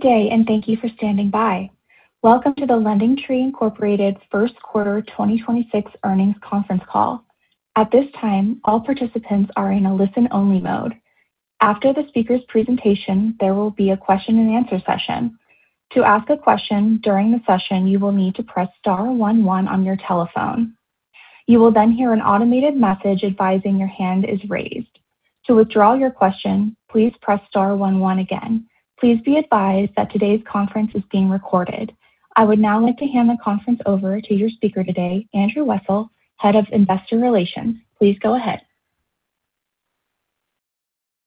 Good day, and thank you for standing by. Welcome to the LendingTree Inc first quarter 2026 earnings conference call. At this time, all participants are in a listen-only mode. After the speaker's presentation, there will be a Q&A session. Please be advised that today's conference is being recorded. I would now like to hand the conference over to your speaker today, Andrew Wessel, Head of Investor Relations. Please go ahead.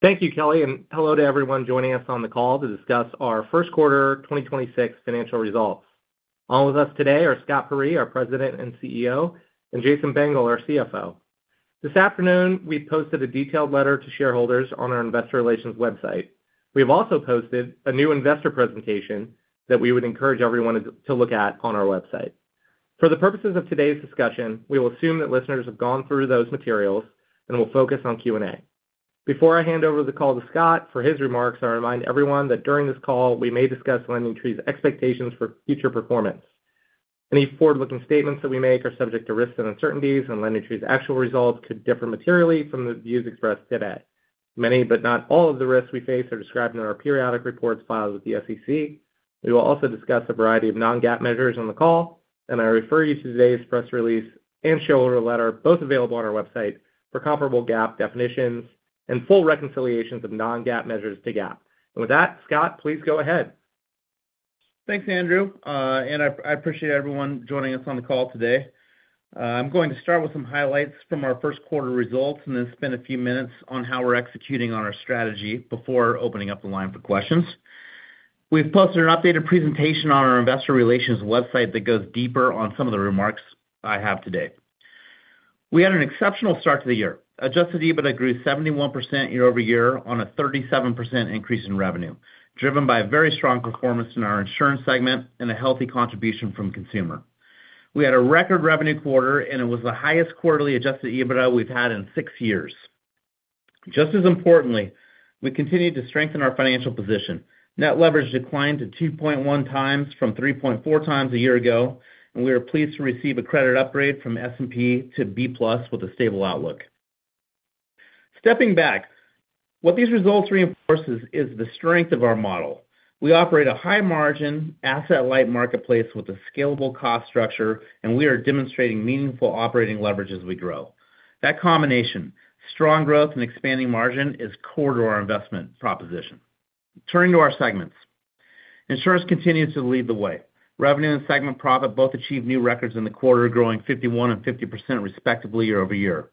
Thank you, Kelly. Hello to everyone joining us on the call to discuss our first quarter 2026 financial results. On with us today are Scott Peyree, our President and CEO; and Jason Bengel, our CFO. This afternoon, we posted a detailed letter to shareholders on our investor relations website. We have also posted a new investor presentation that we would encourage everyone to look at on our website. For the purposes of today's discussion, we will assume that listeners have gone through those materials and will focus on Q&A. Before I hand over the call to Scott for his remarks, I remind everyone that during this call, we may discuss LendingTree's expectations for future performance. Any forward-looking statements that we make are subject to risks and uncertainties. LendingTree's actual results could differ materially from the views expressed today. Many, but not all of the risks we face are described in our periodic reports filed with the SEC. We will also discuss a variety of non-GAAP measures on the call, and I refer you to today's press release and shareholder letter, both available on our website for comparable GAAP definitions and full reconciliations of non-GAAP measures to GAAP. With that, Scott, please go ahead. Thanks, Andrew. I appreciate everyone joining us on the call today. I'm going to start with some highlights from our first quarter results then spend a few minutes on how we're executing on our strategy before opening up the line for questions. We've posted an updated presentation on our investor relations website that goes deeper on some of the remarks I have today. We had an exceptional start to the year. Adjusted EBITDA grew 71% year-over-year on a 37% increase in revenue, driven by a very strong performance in our insurance segment and a healthy contribution from consumer. We had a record revenue quarter, it was the highest quarterly adjusted EBITDA we've had in six years. Just as importantly, we continued to strengthen our financial position. Net leverage declined to 2.1 times from 3.4 times a year ago. We are pleased to receive a credit upgrade from S&P to B+ with a stable outlook. Stepping back, what these results reinforce is the strength of our model. We operate a high margin, asset-light marketplace with a scalable cost structure. We are demonstrating meaningful operating leverage as we grow. That combination, strong growth and expanding margin, is core to our investment proposition. Turning to our segments. Insurance continues to lead the way. Revenue and segment profit both achieve new records in the quarter, growing 51% and 50% respectively year-over-year.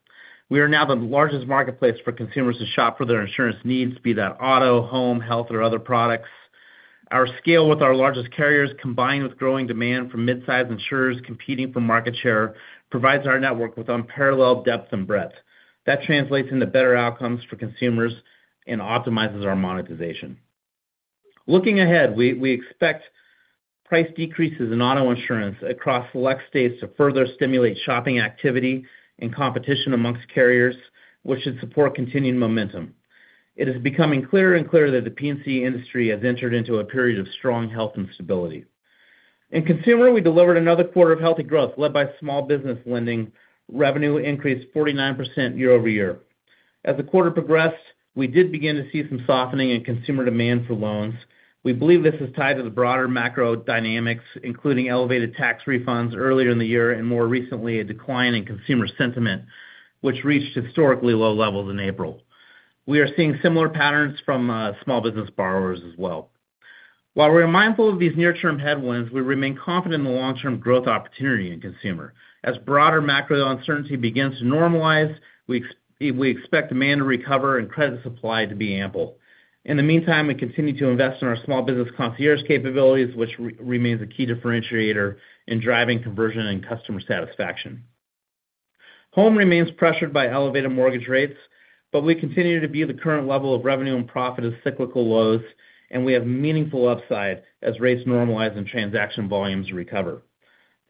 We are now the largest marketplace for consumers to shop for their insurance needs, be that auto, home, health or other products. Our scale with our largest carriers, combined with growing demand from mid-size insurers competing for market share, provides our network with unparalleled depth and breadth. That translates into better outcomes for consumers and optimizes our monetization. Looking ahead, we expect price decreases in auto insurance across select states to further stimulate shopping activity and competition amongst carriers, which should support continuing momentum. It is becoming clearer and clearer that the P&C industry has entered into a period of strong health and stability. In consumer, we delivered another quarter of healthy growth led by small business lending. Revenue increased 49% year-over-year. As the quarter progressed, we did begin to see some softening in consumer demand for loans. We believe this is tied to the broader macro dynamics, including elevated tax refunds earlier in the year and more recently, a decline in consumer sentiment, which reached historically low levels in April. We are seeing similar patterns from small business borrowers as well. While we're mindful of these near-term headwinds, we remain confident in the long-term growth opportunity in consumer. As broader macro uncertainty begins to normalize, we expect demand to recover and credit supply to be ample. In the meantime, we continue to invest in our small business concierge capabilities, which remains a key differentiator in driving conversion and customer satisfaction. Home remains pressured by elevated mortgage rates, but we continue to view the current level of revenue and profit as cyclical lows, and we have meaningful upside as rates normalize and transaction volumes recover.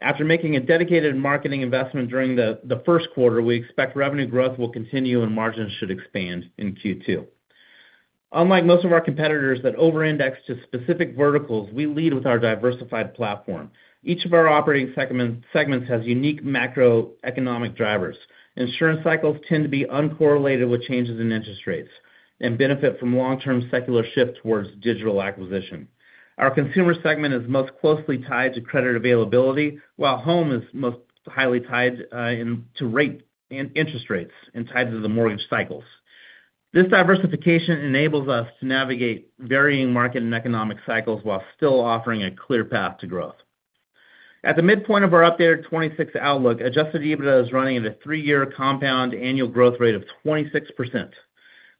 After making a dedicated marketing investment during the first quarter, we expect revenue growth will continue and margins should expand in Q2. Unlike most of our competitors that over-index to specific verticals, we lead with our diversified platform. Each of our operating segments has unique macroeconomic drivers. Insurance cycles tend to be uncorrelated with changes in interest rates and benefit from long-term secular shift towards digital acquisition. Our consumer segment is most closely tied to credit availability, while home is most highly tied to rate and interest rates and tied to the mortgage cycles. This diversification enables us to navigate varying market and economic cycles while still offering a clear path to growth. At the midpoint of our updated 2026 outlook, adjusted EBITDA is running at a three-year compound annual growth rate of 26%.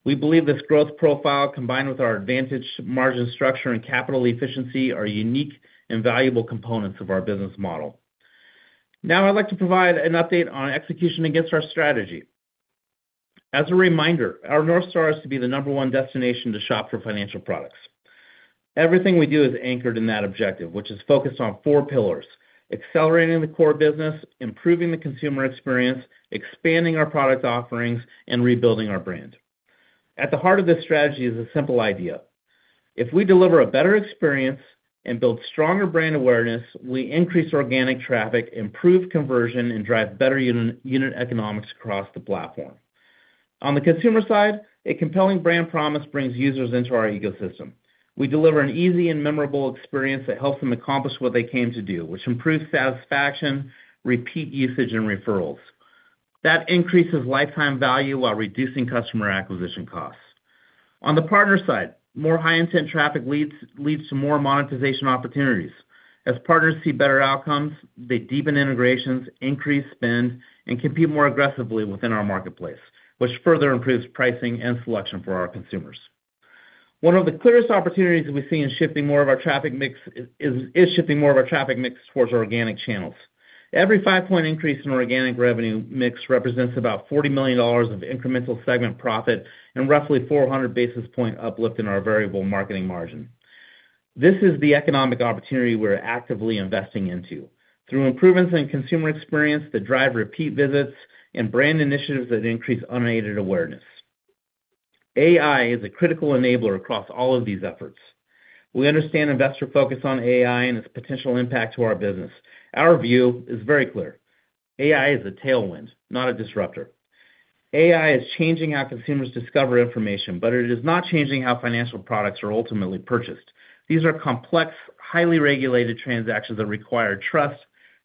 We believe this growth profile, combined with our advantage margin structure and capital efficiency, are unique and valuable components of our business model. I'd like to provide an update on execution against our strategy. As a reminder, our North Star is to be the number one destination to shop for financial products. Everything we do is anchored in that objective, which is focused on four pillars: accelerating the core business, improving the consumer experience, expanding our product offerings, and rebuilding our brand. At the heart of this strategy is a simple idea. If we deliver a better experience and build stronger brand awareness, we increase organic traffic, improve conversion, and drive better unit economics across the platform. On the consumer side, a compelling brand promise brings users into our ecosystem. We deliver an easy and memorable experience that helps them accomplish what they came to do, which improves satisfaction, repeat usage, and referrals. That increases lifetime value while reducing customer acquisition costs. On the partner side, more high-intent traffic leads to more monetization opportunities. As partners see better outcomes, they deepen integrations, increase spend, and compete more aggressively within our marketplace, which further improves pricing and selection for our consumers. One of the clearest opportunities we see in shifting more of our traffic mix is shifting more of our traffic mix towards organic channels. Every 5-point increase in organic revenue mix represents about $40 million of incremental segment profit and roughly 400 basis point uplift in our variable marketing margin. This is the economic opportunity we're actively investing into. Through improvements in consumer experience that drive repeat visits and brand initiatives that increase unaided awareness. AI is a critical enabler across all of these efforts. We understand investor focus on AI and its potential impact to our business. Our view is very clear. AI is a tailwind, not a disruptor. AI is changing how consumers discover information, but it is not changing how financial products are ultimately purchased. These are complex, highly regulated transactions that require trust,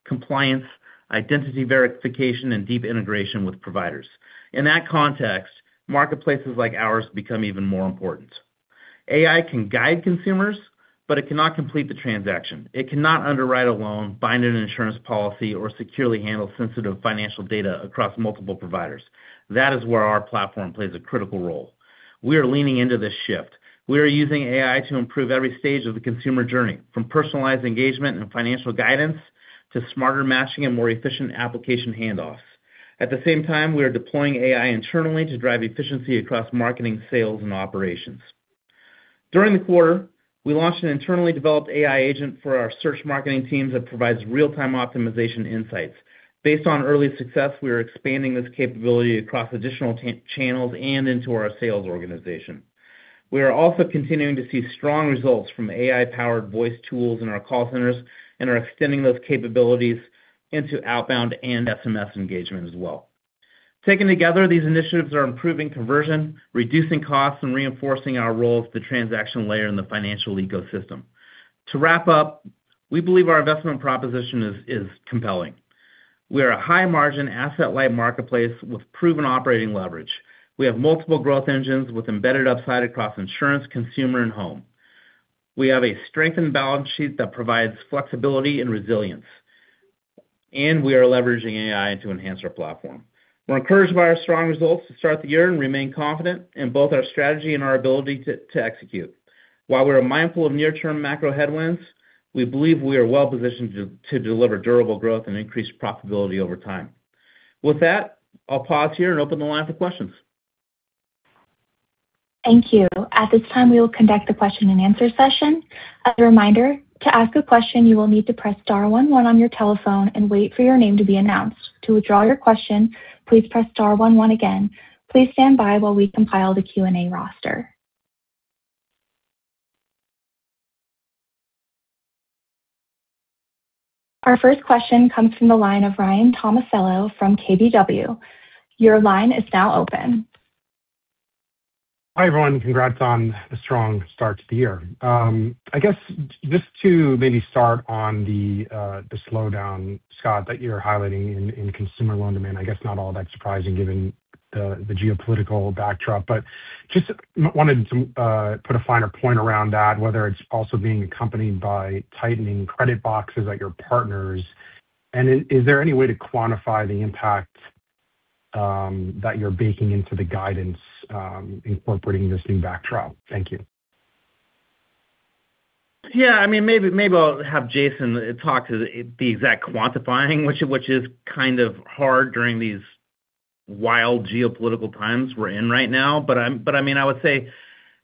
compliance, identity verification, and deep integration with providers. In that context, marketplaces like ours become even more important. AI can guide consumers, but it cannot complete the transaction. It cannot underwrite a loan, bind an insurance policy, or securely handle sensitive financial data across multiple providers. That is where our platform plays a critical role. We are leaning into this shift. We are using AI to improve every stage of the consumer journey, from personalized engagement and financial guidance to smarter matching and more efficient application handoffs. At the same time, we are deploying AI internally to drive efficiency across marketing, sales, and operations. During the quarter, we launched an internally developed AI agent for our search marketing teams that provides real-time optimization insights. Based on early success, we are expanding this capability across additional channels and into our sales organization. We are also continuing to see strong results from AI-powered voice tools in our call centers and are extending those capabilities into outbound and SMS engagement as well. Taken together, these initiatives are improving conversion, reducing costs, and reinforcing our role as the transaction layer in the financial ecosystem. To wrap up, we believe our investment proposition is compelling. We are a high-margin, asset-light marketplace with proven operating leverage. We have multiple growth engines with embedded upside across insurance, consumer, and home. We have a strengthened balance sheet that provides flexibility and resilience, and we are leveraging AI to enhance our platform. We're encouraged by our strong results to start the year and remain confident in both our strategy and our ability to execute. While we are mindful of near-term macro headwinds, we believe we are well-positioned to deliver durable growth and increased profitability over time. With that, I'll pause here and open the line for questions. Thank you. At this time, we will conduct a question-and-answer session. As a reminder, to ask a question, you will need to press star one one on your telephone and wait for your name to be announced. To withdraw your question, please press star one one again. Please stand by while we compile the Q&A roster. Our first question comes from the line of Ryan Tomasello from KBW. Your line is now open. Hi, everyone. Congrats on the strong start to the year. I guess just to maybe start on the slowdown, Scott, that you're highlighting in consumer loan demand. I guess not all that surprising given the geopolitical backdrop. Just wanted to put a finer point around that, whether it's also being accompanied by tightening credit boxes at your partners. Is there any way to quantify the impact that you're baking into the guidance, incorporating this new backdrop? Thank you. I mean, maybe I'll have Jason talk to the exact quantifying, which is kind of hard during these wild geopolitical times we're in right now. I mean, I would say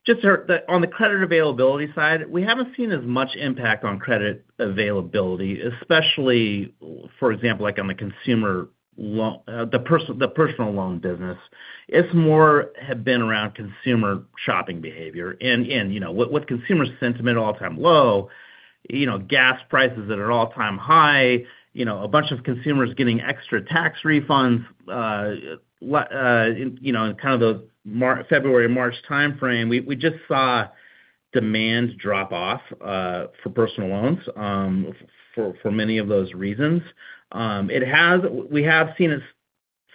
just on the credit availability side, we haven't seen as much impact on credit availability, especially for example, like on the personal loan business. It's more have been around consumer shopping behavior and, you know, with consumer sentiment all-time low, you know, gas prices that are all-time high, you know, a bunch of consumers getting extra tax refunds, you know, in kind of the February-March timeframe, we just saw demand drop off for personal loans for many of those reasons. We have seen it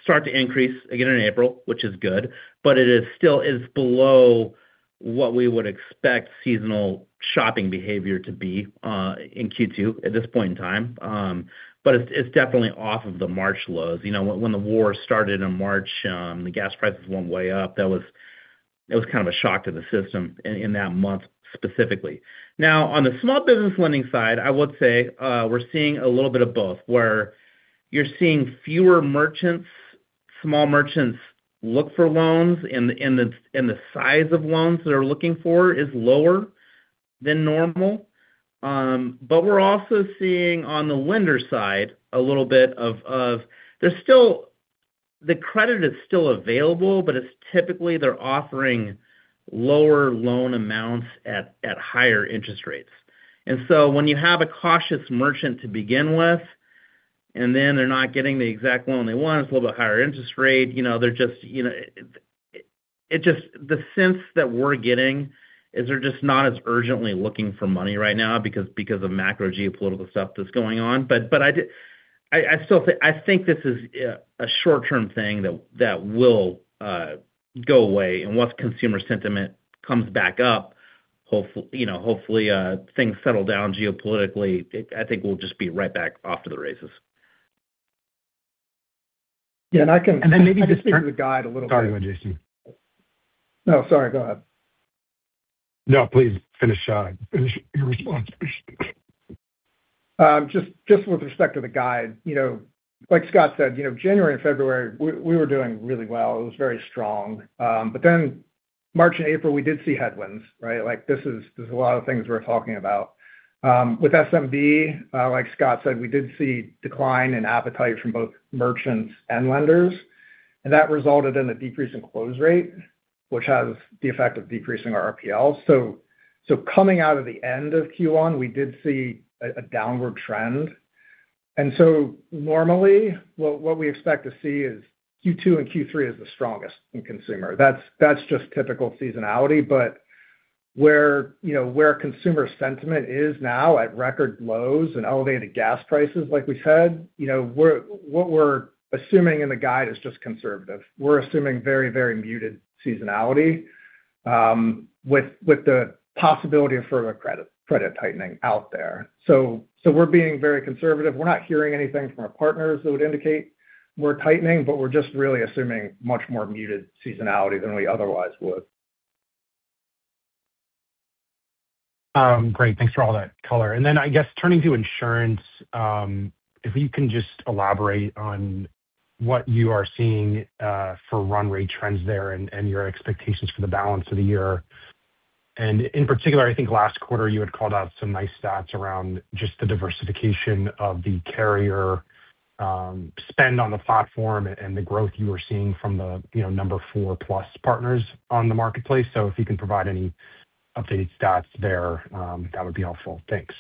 start to increase again in April, which is good, it is still below what we would expect seasonal shopping behavior to be in Q2 at this point in time. It's definitely off of the March lows. You know, when the war started in March, the gas prices went way up. That was kind of a shock to the system in that month specifically. Now, on the small business lending side, I would say, we're seeing a little bit of both, where you're seeing fewer merchants, small merchants look for loans, and the size of loans they're looking for is lower than normal. We're also seeing on the lender side a little bit. The credit is still available, but it's typically they're offering lower loan amounts at higher interest rates. When you have a cautious merchant to begin with, then they're not getting the exact loan they want, it's a little bit higher interest rate, you know, they're just, you know. The sense that we're getting is they're just not as urgently looking for money right now because of macro geopolitical stuff that's going on. I think this is a short-term thing that will go away. Once consumer sentiment comes back up, you know, hopefully things settle down geopolitically. I think we'll just be right back off to the races. Yeah. And I can- Maybe just turn to the guide a little bit. Sorry, go Jason. No, sorry, go ahead. No, please finish your response, please. Just with respect to the guide, you know, like Scott said, you know, January and February, we were doing really well. It was very strong. March and April, we did see headwinds, right? Like, there's a lot of things we're talking about. With SMB, like Scott said, we did see decline in appetite from both merchants and lenders, and that resulted in a decrease in close rate, which has the effect of decreasing our RPL. Coming out of the end of Q1, we did see a downward trend. Normally, what we expect to see is Q2 and Q3 is the strongest in consumer. That's just typical seasonality. Where, you know, where consumer sentiment is now at record lows and elevated gas prices like we've had, you know, what we're assuming in the guide is just conservative. We're assuming very, very muted seasonality, with the possibility of further credit tightening out there. So we're being very conservative. We're not hearing anything from our partners that would indicate we're tightening, but we're just really assuming much more muted seasonality than we otherwise would. Great. Thanks for all that color. I guess turning to insurance, if you can just elaborate on what you are seeing for run rate trends there and your expectations for the balance of the year. In particular, I think last quarter you had called out some nice stats around just the diversification of the carrier spend on the platform and the growth you were seeing from the number four plus partners on the marketplace. If you can provide any updated stats there, that would be helpful. Thanks.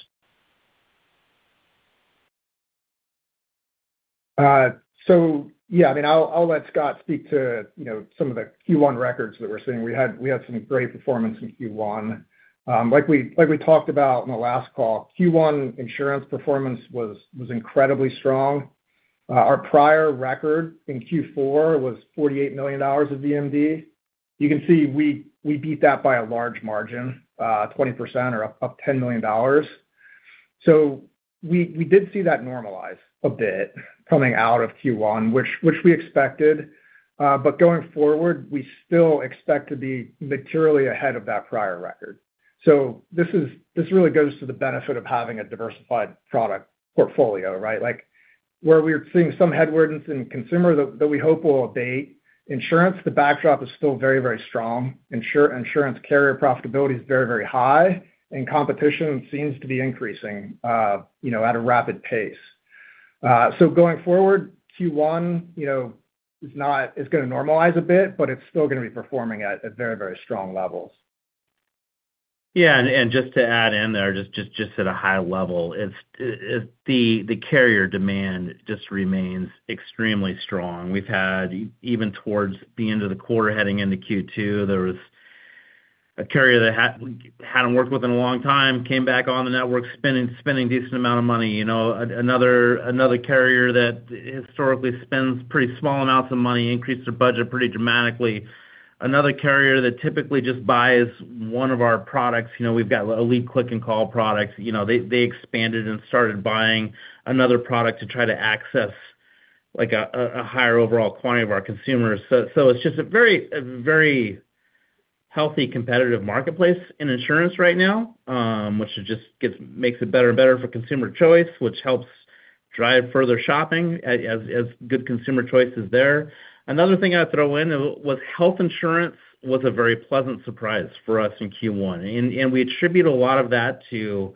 Yeah, I mean, I'll let Scott speak to, you know, some of the Q1 records that we're seeing. We had some great performance in Q1. Like we talked about on the last call, Q1 insurance performance was incredibly strong. Our prior record in Q4 was $48 million of VMD. You can see we beat that by a large margin, 20% or up $10 million. We did see that normalize a bit coming out of Q1, which we expected. Going forward, we still expect to be materially ahead of that prior record. This really goes to the benefit of having a diversified product portfolio, right? Like, where we're seeing some headwinds in consumer that we hope will abate, insurance, the backdrop is still very, very strong. Insurance carrier profitability is very, very high, and competition seems to be increasing, you know, at a rapid pace. Going forward, Q1, you know, it's gonna normalize a bit, but it's still gonna be performing at very, very strong levels. Yeah. Just to add in there, just at a high level, the carrier demand just remains extremely strong. We've had even towards the end of the quarter heading into Q2, there was a carrier that hadn't worked with in a long time, came back on the network spending decent amount of money. You know, another carrier that historically spends pretty small amounts of money increased their budget pretty dramatically. Another carrier that typically just buys one of our products, you know, we've got elite click and call products. You know, they expanded and started buying another product to try to access like a higher overall quantity of our consumers. It's just a very, very healthy competitive marketplace in insurance right now, which it just makes it better and better for consumer choice, which helps drive further shopping as good consumer choice is there. Another thing I'd throw in was health insurance was a very pleasant surprise for us in Q1. We attribute a lot of that to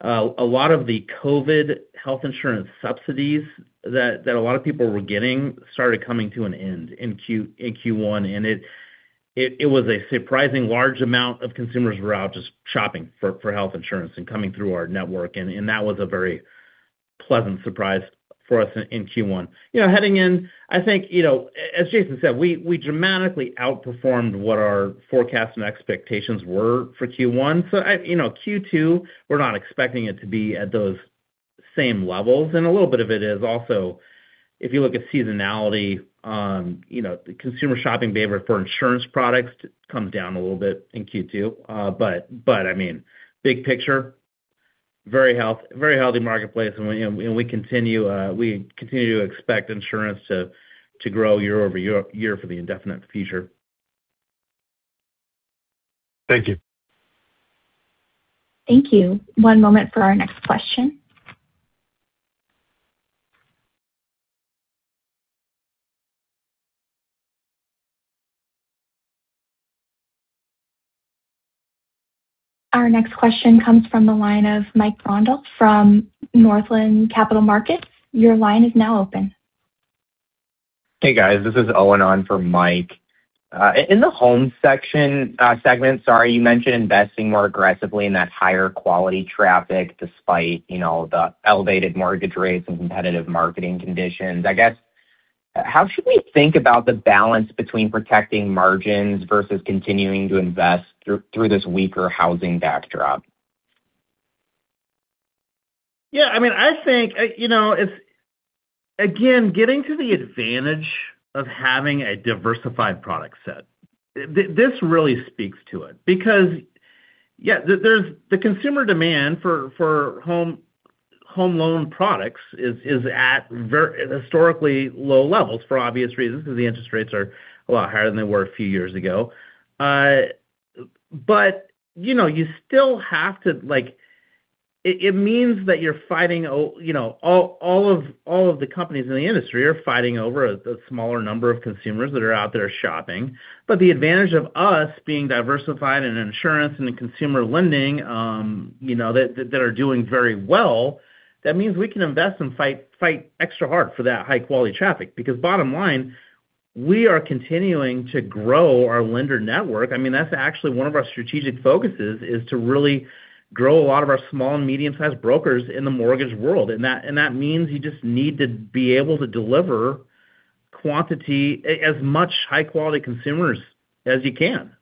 a lot of the COVID health insurance subsidies that a lot of people were getting started coming to an end in Q1. It was a surprising large amount of consumers were out just shopping for health insurance and coming through our network. That was a very pleasant surprise for us in Q1. You know, heading in, I think, you know, as Jason said, we dramatically outperformed what our forecast and expectations were for Q1. You know, Q2, we're not expecting it to be at those same levels. A little bit of it is also, if you look at seasonality, you know, consumer shopping behavior for insurance products comes down a little bit in Q2. But I mean, big picture, very healthy marketplace and we continue to expect insurance to grow year-over-year for the indefinite future. Thank you. Thank you. One moment for our next question. Our next question comes from the line of Mike Grondahl from Northland Capital Markets. Hey, guys. This is Owen on for Mike. In the home section, segment, sorry, you mentioned investing more aggressively in that higher quality traffic despite, you know, the elevated mortgage rates and competitive marketing conditions. I guess, how should we think about the balance between protecting margins versus continuing to invest through this weaker housing backdrop? Yeah, I mean, I think, you know. Again, getting to the advantage of having a diversified product set. This really speaks to it because, yeah, there's the consumer demand for home loan products is at very historically low levels for obvious reasons, because the interest rates are a lot higher than they were a few years ago. You know, you still have to, like. It means that you're fighting, you know, all of the companies in the industry are fighting over a smaller number of consumers that are out there shopping. The advantage of us being diversified in insurance and in consumer lending, you know, that are doing very well, that means we can invest and fight extra hard for that high-quality traffic. Bottom line, we are continuing to grow our lender network. I mean, that's actually one of our strategic focuses, is to really grow a lot of our small and medium-sized brokers in the mortgage world. That, and that means you just need to be able to deliver quantity, as much high-quality consumers as you can.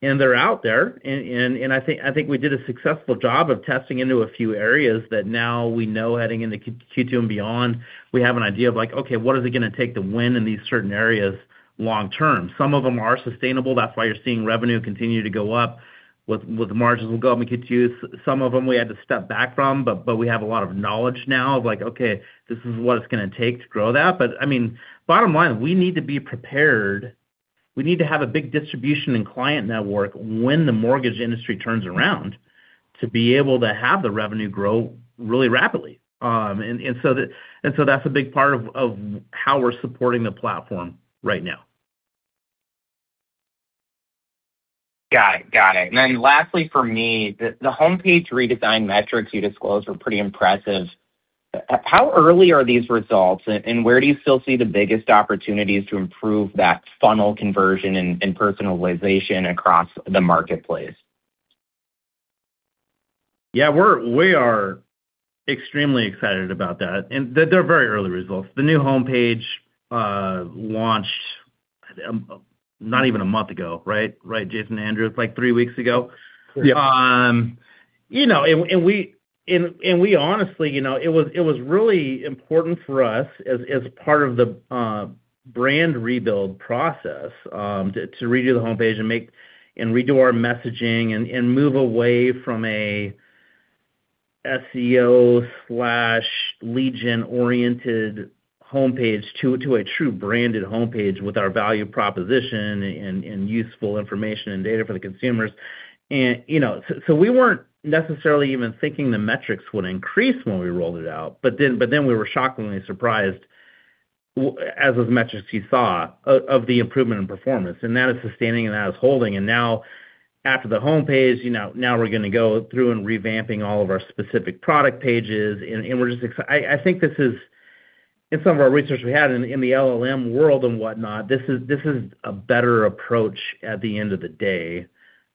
They're out there. I think we did a successful job of testing into a few areas that now we know heading into Q2 and beyond, we have an idea of like, okay, what is it gonna take to win in these certain areas long term? Some of them are sustainable, that's why you're seeing revenue continue to go up with margins will go up in Q2. Some of them we had to step back from, but we have a lot of knowledge now of like, okay, this is what it's gonna take to grow that. I mean, bottom line, we need to be prepared. We need to have a big distribution and client network when the mortgage industry turns around to be able to have the revenue grow really rapidly. That's a big part of how we're supporting the platform right now. Got it. Got it. Lastly for me, the homepage redesign metrics you disclosed were pretty impressive. How early are these results, and where do you still see the biggest opportunities to improve that funnel conversion and personalization across the marketplace? We are extremely excited about that, and they're very early results. The new homepage launched not even a month ago, right? Right, Jason? Andrew? Like three weeks ago. We honestly, it was really important for us as part of the brand rebuild process to redo the homepage and redo our messaging and move away from a SEO/lead gen-oriented homepage to a true branded homepage with our value proposition and useful information and data for the consumers. We weren't necessarily even thinking the metrics would increase when we rolled it out. We were shockingly surprised, as with the metrics you saw, of the improvement in performance. That is sustaining and that is holding. Now after the homepage, you know, now we're gonna go through and revamping all of our specific product pages. We're just I think this is. In some of our research we had in the LLM world and whatnot, this is a better approach at the end of the day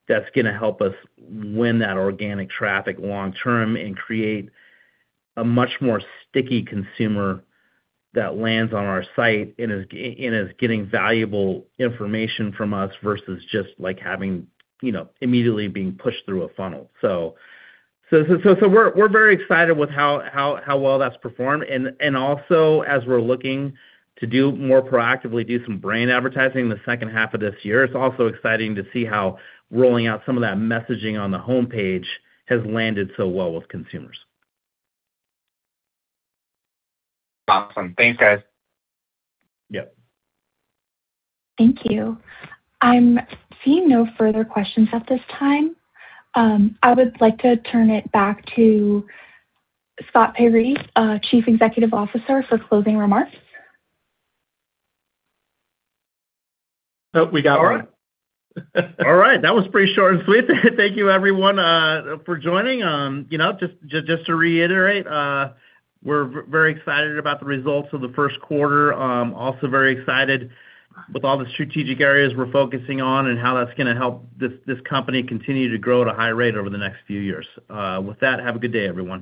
that's gonna help us win that organic traffic long term and create a much more sticky consumer that lands on our site and is getting valuable information from us versus just like having, you know, immediately being pushed through a funnel. We're very excited with how well that's performed. Also as we're looking to do more proactively do some brand advertising the second half of this year, it's also exciting to see how rolling out some of that messaging on the homepage has landed so well with consumers. Awesome. Thanks, guys. Yep. Thank you. I'm seeing no further questions at this time. I would like to turn it back to Scott Peyree, Chief Executive Officer, for closing remarks. Oh, we got one. All right. All right. That was pretty short and sweet. Thank you everyone for joining. You know, just to reiterate, we're very excited about the results of the first quarter. Also very excited with all the strategic areas we're focusing on and how that's gonna help this company continue to grow at a high rate over the next few years. With that, have a good day, everyone.